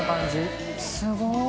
すごい。